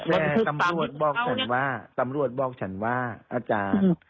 แต่ตำรวจบอกฉันว่าตำรวจบอกฉันว่าอาจารย์